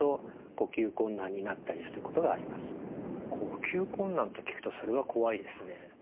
呼吸困難と聞くとそれは怖いですね。